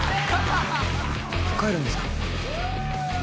帰るんですか？